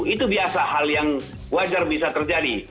itu biasa hal yang wajar bisa terjadi